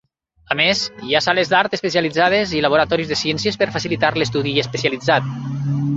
A més, hi ha sales d'art especialitzades i laboratoris de ciències per facilitar l'estudi especialitzat.